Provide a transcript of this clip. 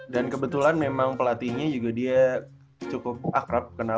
kebetulan memang pelatihnya juga dia cukup akrab kenal